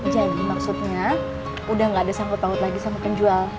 jadi maksudnya udah gak ada sangkut sangkut lagi sama penjual